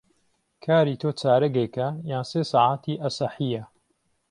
کاری تۆ چارەگێکه یان سێ سهعاتی ئهسهحييه